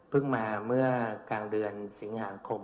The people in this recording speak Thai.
พึ่งมาเมื่อกลางเดือนสิงหาคมนะครับ